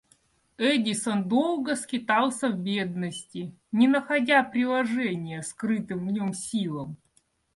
Эдисон долго скитался в бедности, не находя приложения скрытым в нем силам.